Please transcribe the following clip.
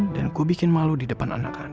dan gua bikin malu di depan anak anak